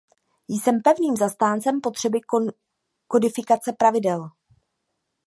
Jsem pevným zastáncem potřeby kodifikace pravidel.